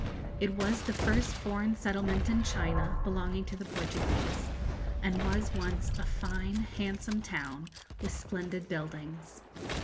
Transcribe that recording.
It was the first foreign settlement in China belonging to the Portuguese, and was once a fine, handsome town, with splendid buildings.